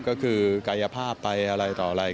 ก็คือกายภาพไปอะไรต่ออะไร